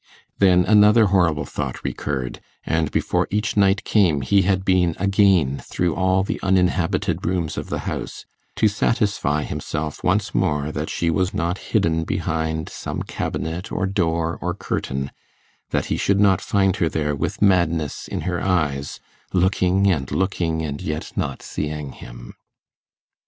Then another horrible thought recurred, and before each night came he had been again through all the uninhabited rooms of the house, to satisfy himself once more that she was not hidden behind some cabinet, or door, or curtain that he should not find her there with madness in her eyes, looking and looking, and yet not seeing him.